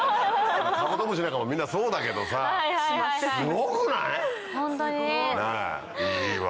カブトムシなんかもみんなそうだけどさすごくない⁉ホントにね。いいわ。